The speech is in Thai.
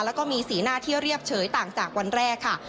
แล้วก็มีสีหน้าที่เรียบเฉยต่างจากวันแรกค่ะ